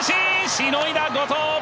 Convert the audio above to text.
しのいだ、後藤！